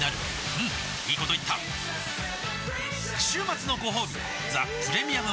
うんいいこと言った週末のごほうび「ザ・プレミアム・モルツ」